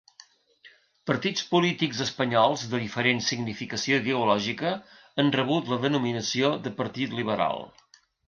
Partits polítics espanyols de diferent significació ideològica han rebut la denominació de Partit liberal.